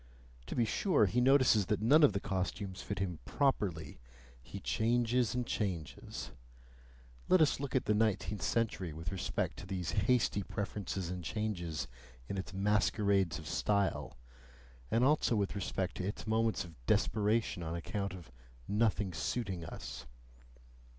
To be sure, he notices that none of the costumes fit him properly he changes and changes. Let us look at the nineteenth century with respect to these hasty preferences and changes in its masquerades of style, and also with respect to its moments of desperation on account of "nothing suiting" us.